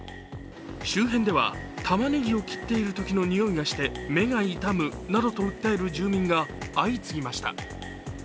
周辺ではたまねぎを切っているときのにおいがして目が痛むなどと訴える住民が相次ぎました。